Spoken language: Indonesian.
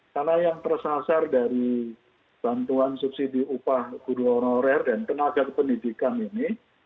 karena yang tersasar dari bantuan subsidi upah guru honorer dan tenaga pendidikan ini